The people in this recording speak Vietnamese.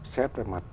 xếp về mặt